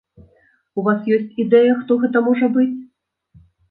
У вас ёсць ідэя, хто гэта можа быць?